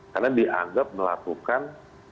karena dianggap melakukan